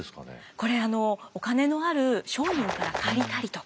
これあのお金のある商人から借りたりとか。